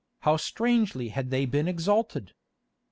How strangely had they been exalted!